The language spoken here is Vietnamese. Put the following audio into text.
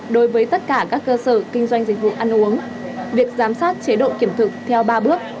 đối với tất cả các cơ sở kinh doanh dịch vụ ăn uống việc giám sát chế độ kiểm thực theo ba bước